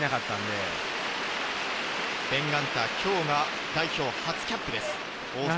ベン・ガンター、今日が代表初キャップです。